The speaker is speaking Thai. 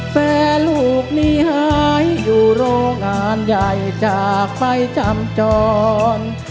แต่ลูกนี้หายอยู่โรงงานใหญ่จากไฟจำจร